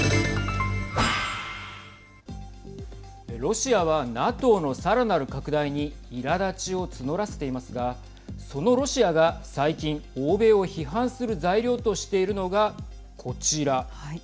ロシアはＮＡＴＯのさらなる拡大にいらだちを募らせていますがそのロシアが最近、欧米を批判する材料としているのがこちら。